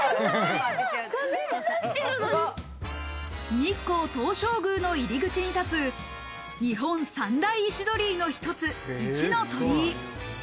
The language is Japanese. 日光東照宮の入口に立つ日本三大石鳥居の一つ、一の鳥居。